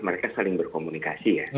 mereka saling berkomunikasi ya